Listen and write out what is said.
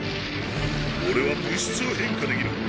俺は物質を変化できる。